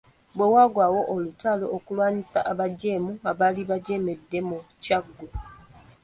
Bwe waagwawo olutalo okulwanyisa abajeemu abaali bajeemedde mu Kyaggwe.